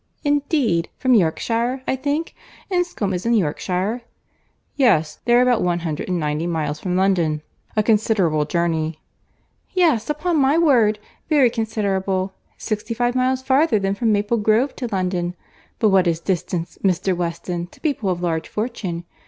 "Indeed!—from Yorkshire, I think. Enscombe is in Yorkshire?" "Yes, they are about one hundred and ninety miles from London, a considerable journey." "Yes, upon my word, very considerable. Sixty five miles farther than from Maple Grove to London. But what is distance, Mr. Weston, to people of large fortune?